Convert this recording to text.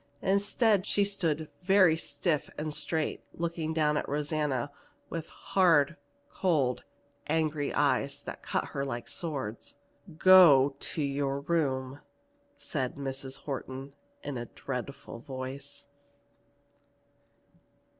Instead she stood very stiff and straight, looking at Rosanna with hard, cold, angry eyes that cut her like swords. "Go to your room!" said Mrs. Horton in a dreadful voice.